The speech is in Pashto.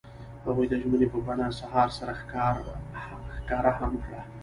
هغوی د ژمنې په بڼه سهار سره ښکاره هم کړه.